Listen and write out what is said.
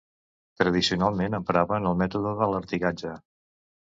Tradicionalment empraven el mètode de l'artigatge.